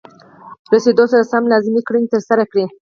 رسیدو سره سم لازمې کړنې ترسره کړئ.